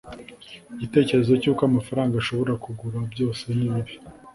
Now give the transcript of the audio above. Igitekerezo cyuko amafaranga ashobora kugura byose ni bibi